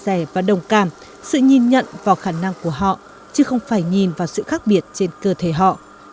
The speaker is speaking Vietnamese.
chia sẻ và đồng cảm sự nhìn nhận vào khả năng của họ chứ không phải nhìn vào sự khác biệt trên cơ thể họ